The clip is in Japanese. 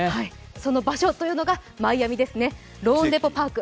その場所がマイアミですね、ローンデポ・パーク。